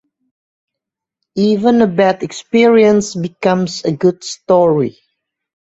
Even a bad experience becomes a good story.